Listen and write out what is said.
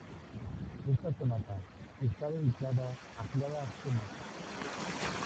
Esta sonata está dedicada a Clara Schumann.